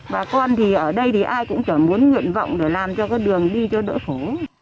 và con thì ở đây thì ai cũng chẳng muốn nguyện vọng để làm cho cái đường đi cho đỡ khổ